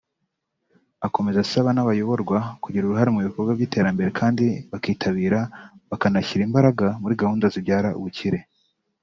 Akomeza asaba n’abayoborwa kugira uruhare mu bikorwa by’iterambere kandi bakitabira bakanashyira imbaraga muri gahunda zibyara ubukire